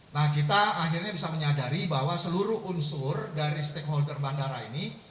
nah kita akhirnya bisa menyadari bahwa seluruh unsur dari stakeholder bandara ini